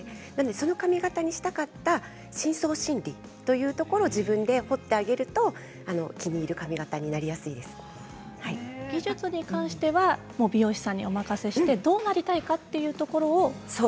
その髪形にしたかった深層心理というところを自分で掘ってあげると技術に関しては美容師さんにお任せしてどうなりたいかというところを。